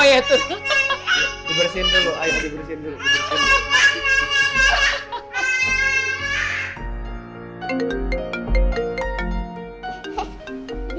ayah dibersihin dulu